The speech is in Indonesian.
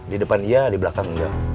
di depan iya di belakang